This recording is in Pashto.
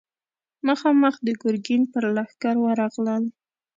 مخامخ د ګرګين پر لښکر ورغلل.